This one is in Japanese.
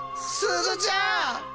すずちゃん！